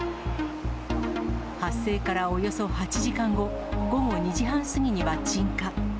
発生からおよそ８時間後、午後２時半過ぎには鎮火。